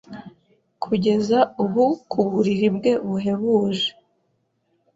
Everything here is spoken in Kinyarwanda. Kugeza ubu ku buriri bwe buhebuje